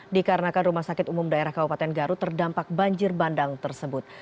dikarenakan rumah sakit umum daerah kabupaten garut terdampak banjir bandang tersebut